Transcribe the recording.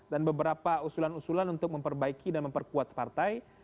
dan beberapa usulan usulan untuk memperbaiki dan memperkuat partai